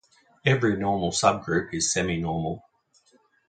Every normal subgroup is seminormal.